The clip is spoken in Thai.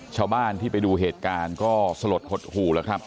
ชาวบ้านที่ไปดูเหตุการณ์ก็สลดหดหู่แล้วครับ